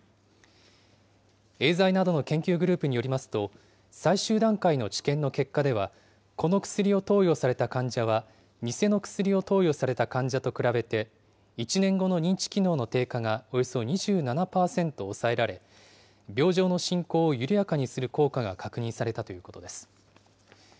エーザイなどの研究グループによりますと、最終段階の治験の結果では、この薬を投与された患者は、偽の薬を投与された患者と比べて１年後の認知機能の低下がおよそ２７％抑えられ、病状の進行を緩やかにする効果が確認されたということです。